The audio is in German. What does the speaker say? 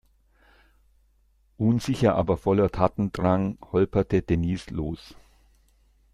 Unsicher, aber voller Tatendrang holperte Denise los.